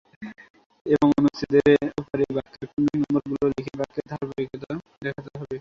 এবং অনুচ্ছেদের ওপরে বাক্যের ক্রমিক নম্বরগুলো লিখে বাক্যের ধারাবাহিকতা দেখাতে হবে।